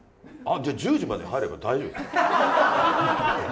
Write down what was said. じゃあ、１０時までに入れば大丈夫。